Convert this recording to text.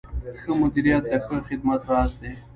ښه مدیریت د ښه خدمت راز دی.